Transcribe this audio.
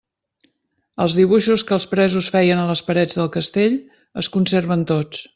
Els dibuixos que els presos feien a les parets del castell es conserven tots.